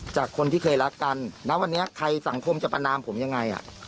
จากคนที่เคยรักกันณวันนี้ใครสังคมจะประนามผมยังไง